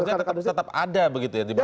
mas ruzi tetap ada begitu ya di bakal